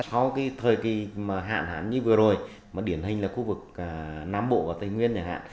sau cái thời kỳ mà hạn hán như vừa rồi mà điển hình là khu vực nam bộ và tây nguyên này hạn